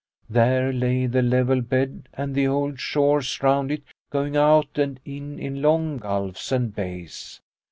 There lay the level bed, and the old shores round it going out and in, in long gulfs and bays.